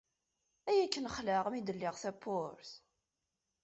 Ay akken xelɛeɣ mi d-lliɣ tawwurt!